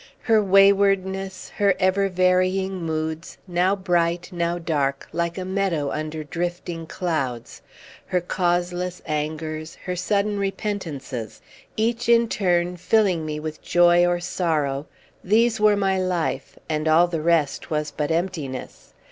Her waywardness; her ever varying moods, now bright, now dark, like a meadow under drifting clouds; her causeless angers; her sudden repentances, each in turn filling me with joy or sorrow: these were my life, and all the rest was but emptiness.